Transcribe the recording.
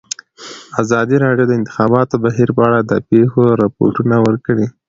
ازادي راډیو د د انتخاباتو بهیر په اړه د پېښو رپوټونه ورکړي.